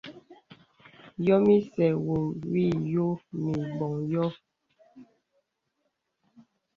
Yɔ̄m isɛ̂ wɔ ìyɔ̄ɔ̄ mə i bɔŋ yɔ̄.